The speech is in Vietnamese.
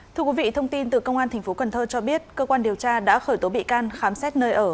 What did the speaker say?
thưa quý vị thông tin từ công an tp cn cho biết cơ quan điều tra đã khởi tố bị can khám xét nơi ở